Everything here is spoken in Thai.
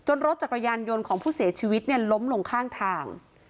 รถจักรยานยนต์ของผู้เสียชีวิตเนี่ยล้มลงข้างทาง